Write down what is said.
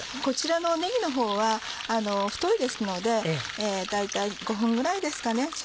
こちらのねぎのほうは太いですので大体５分ぐらいですかね